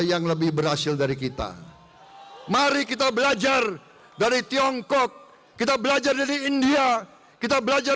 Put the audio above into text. yang lebih berhasil dari kita mari kita belajar dari tiongkok kita belajar dari india kita belajar